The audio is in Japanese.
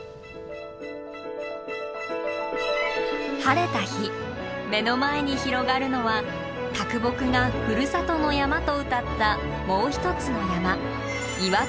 晴れた日目の前に広がるのは啄木がふるさとの山と詠ったもう一つの山